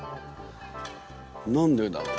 何でだろう？